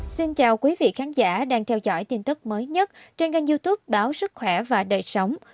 xin chào quý vị khán giả đang theo dõi tin tức mới nhất trên kênh youtube báo sức khỏe và đời sống